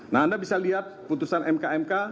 nah anda bisa lihat putusan mk mk